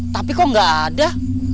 tapi kok gak ada